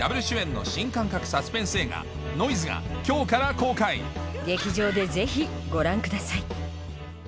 Ｗ主演の新感覚サスペンス映画『ノイズ』が今日から公開劇場でぜひご覧ください